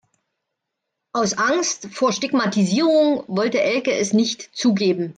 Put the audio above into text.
Aus Angst vor Stigmatisierung wollte Elke es nicht zugeben.